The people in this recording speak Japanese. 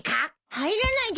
入らないです。